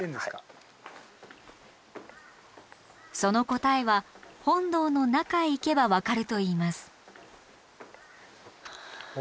その答えは本堂の中へ行けば分かるといいます。